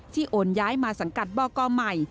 ที่โอนย้ายมาสังกัดบอกล้อมใหม่